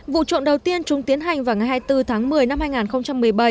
vụ trộm đầu tiên chúng tiến hành vào ngày hai mươi bốn tháng một mươi năm hai nghìn một mươi bảy